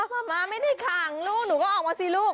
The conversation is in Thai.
มาไม่ได้ขังลูกหนูก็ออกมาสิลูก